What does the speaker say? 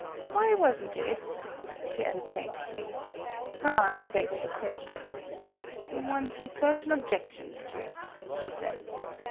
Why wasn't it?" she added plaintively. Her aunt evaded the question. "One sees certain objections to it," she said.